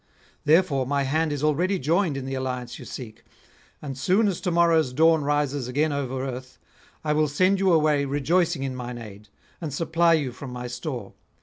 Therefore my hand is already joined in the alliance you seek, and soon as to morrow's dawn rises again over earth, I will send you away rejoicing in mine aid, and supply you from my store.